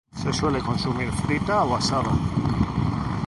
Se suele consumir frita o asada.